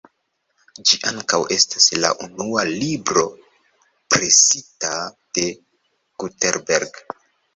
Ĝi ankaŭ estas la unua libro presita de Gutenberg.